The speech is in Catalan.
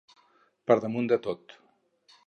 Per damunt de tot.